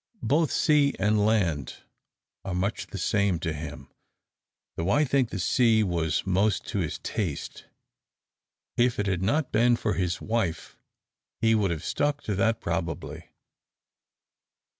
Both sea and land are much the same to him, though I think the sea was most to his taste. If it had not have been for his wife, he would have stuck to that probably.